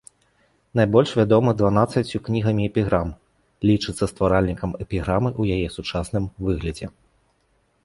Найбольш вядомы дванаццаццю кнігамі эпіграм, лічыцца стваральнікам эпіграмы ў яе сучасным выглядзе.